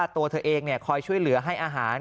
ตัวเธอเองคอยช่วยเหลือให้อาหาร